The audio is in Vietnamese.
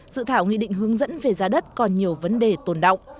dự thảo nghị định hướng dẫn về giá đất còn nhiều vấn đề tồn động